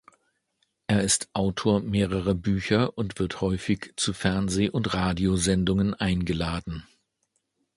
Er ist Autor mehrerer Bücher und wird häufig zu Fernseh- und Radiosendungen eingeladen.